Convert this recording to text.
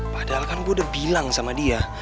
padahal kan gue udah bilang sama dia